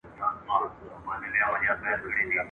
له ناکامۍ سره مخامخ سي